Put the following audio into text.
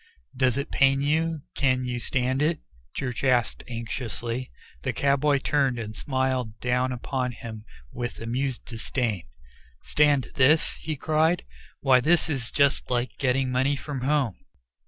"Does it pain you? Can you stand it?" Church asked anxiously. The cowboy turned and smiled down upon him with amused disdain. "Stand this?" he cried. "Why, this is just like getting money from home."